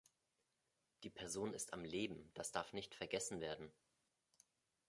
Die Person ist am Leben das darf nicht vergessen werden!.